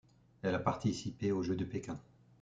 Elle a participé aux Jeux de Pékin.